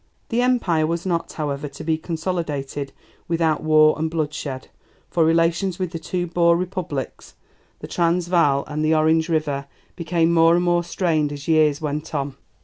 The Empire was not, however, to be consolidated without war and bloodshed, for relations with the two Boer Republics, the Transvaal and the Orange River, became more and more strained as years went on.